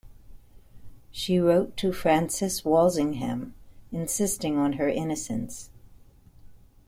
She wrote to Francis Walsingham insisting on her innocence.